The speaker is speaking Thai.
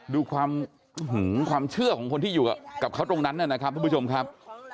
ดูความเชื่อของคนที่อยู่กับเขาตรงนั้นนะครับทุกผู้ชมครับ